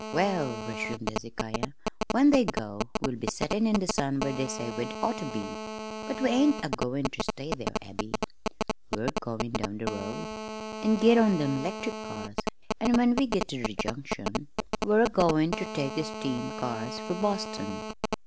"Well," resumed Hezekiah, "when they go we'll be settin' in the sun where they say we'd oughter be. But we ain't agoin' ter stay there, Abby. We're goin' down the road an' git on them 'lectric cars, an' when we git ter the Junction we're agoin' ter take the steam cars fer Boston.